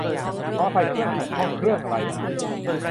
ขออภัย 'เครื่อง' ขัดข้อง เครื่องไรอ่ะ ?